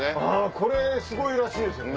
これすごいらしいですよね。